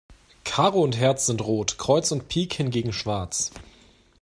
Karo und Herz sind rot, Kreuz und Pik hingegen schwarz.